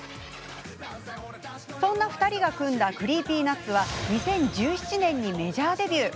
そんな２人が組んだＣｒｅｅｐｙＮｕｔｓは２０１７年にメジャーデビュー。